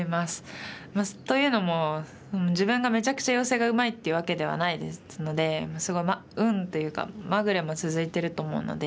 というのも自分がめちゃくちゃヨセがうまいっていうわけではないですのですごい運というかまぐれも続いてると思うので。